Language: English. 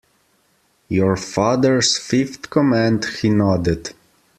Your father's fifth command, he nodded.